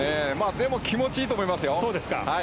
でも気持ちいいと思いますよ。